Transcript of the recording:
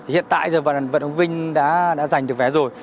hiện tại vận động viên đã giành được vé rồi